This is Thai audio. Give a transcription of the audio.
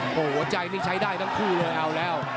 โหใจนี้ใช้ได้ทั้งคู่เลยเอาแล้ว